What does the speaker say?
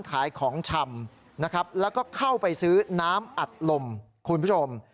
ขายของชำนะครับแล้วก็เข้าไปซื้อน้ำอัดลมคุณผู้ชม